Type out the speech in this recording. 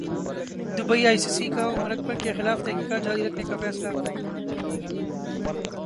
Dubai I C C کا عمراکمل کیخلاف تحقیقات جاری رکھنے کا فیصلہ